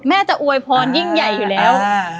แม่จะอวยพรยิ่งใหญ่อยู่แล้ว